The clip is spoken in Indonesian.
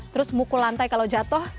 terus mukul lantai kalau jatuh